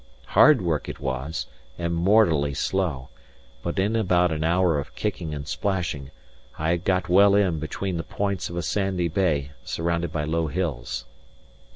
Hard work it was, and mortally slow; but in about an hour of kicking and splashing, I had got well in between the points of a sandy bay surrounded by low hills.